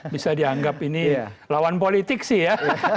bisa dianggap ini lawan politik sih ya